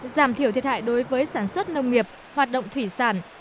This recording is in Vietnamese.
giảm thiểu thiệt hại đối với sản xuất nông nghiệp hoạt động thủy sản